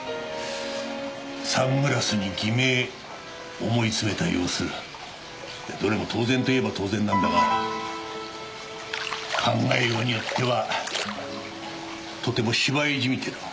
サングラスに偽名思いつめた様子どれも当然といえば当然なんだが考えようによってはとても芝居じみている。